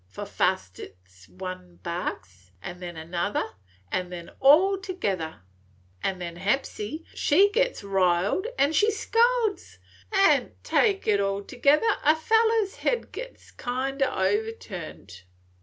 For fust it 's one barks, an then another, an' then all together. An' then Hepsy, she gets riled an' she scolds; an', take it all together, a feller's head gits kind o' turned.